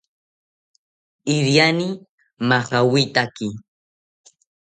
Iriani majawitaki